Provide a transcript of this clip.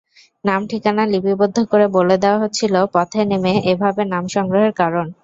নাম-ঠিকানা লিপিবদ্ধ করে বলে দেওয়া হচ্ছিল পথে নেমে এভাবে নাম সংগ্রহের কারণ।